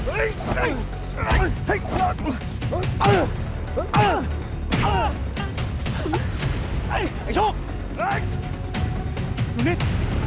ไอ้ไอ้ชุกหนูนิด